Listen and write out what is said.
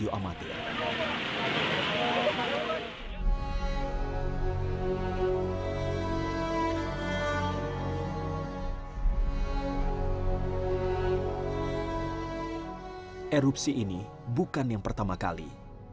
erupsi ini bukan yang pertama kali